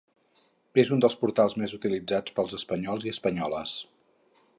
És un dels portals més utilitzats pels espanyols i espanyoles.